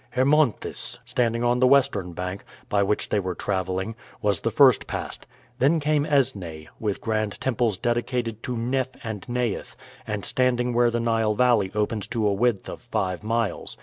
Hermonthis, standing on the western bank, by which they were traveling, was the first passed. Then came Esneh, with grand temples dedicated to Kneph and Neith, and standing where the Nile Valley opens to a width of five miles.